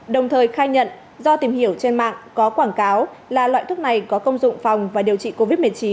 đồng thời khai nhận do tìm hiểu trên mạng có quảng cáo là loại thuốc này có công dụng phòng và điều trị covid một mươi chín